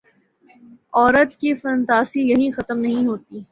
عورت کی فنتاسی یہیں ختم نہیں ہوتی۔